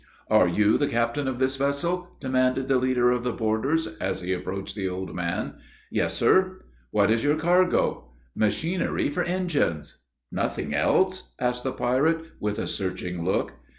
"Are you the captain of this vessel," demanded the leader of the boarders, as he approached the old man. "Yes sir." "What is your cargo?" "Machinery for ingines." "Nothing else?" asked the pirate with a searching look.